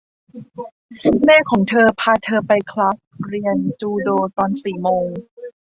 แม่ของเธอพาเธอไปคลาสเรียนจูโดตอนสี่โมง